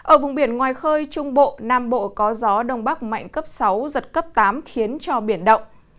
ở vùng biển ngoài khơi trung bộ nam bộ có gió đông bắc mạnh cấp sáu giật cấp tám khiến cho biển động